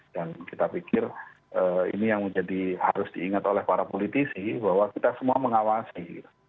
dan kita pikir ini yang menjadi harus diingat oleh para politisi bahwa kita semua mengawasi